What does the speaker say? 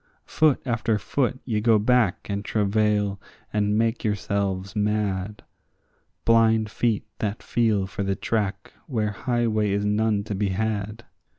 Foot after foot ye go back and travail and make yourselves mad; Blind feet that feel for the track where highway is none to be had.